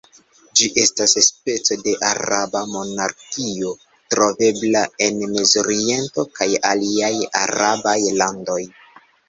Ĝi estas speco de araba monarkio, trovebla en mezoriento kaj aliaj arabaj landoj.